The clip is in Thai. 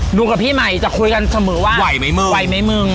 กับพี่ใหม่จะคุยกันเสมอว่าไหวไหมมึงไหวไหมมึง